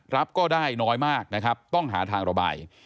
รับก็ได้น้อยมากต้องหาทางระบาย